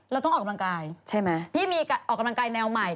เราต้องออกกำลังกายพี่มีออกกำลังกายแนวใหม่ใช่ไหม